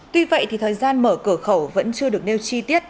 tuy vậy thì thời gian mở cửa khẩu vẫn chưa được nêu chi tiết